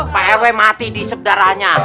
pak rw mati di isep darahnya